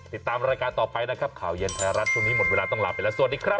ติดตามรายการต่อไปนะครับข่าวเย็นไทยรัฐช่วงนี้หมดเวลาต้องลาไปแล้วสวัสดีครับ